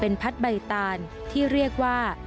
เป็นพัฒน์ใบตานที่เรียกว่า